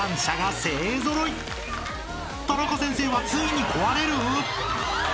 ［タナカ先生はついに壊れる！？］